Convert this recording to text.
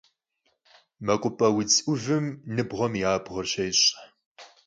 Mekhup'e vudz 'Uvım nıbğuem yi abğuer şêş'.